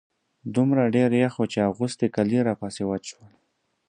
دومره ډېر يخ و چې اغوستي کالي راپسې وچ شول.